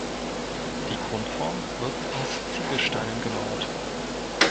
Die Grundform wird aus Ziegelsteinen gemauert.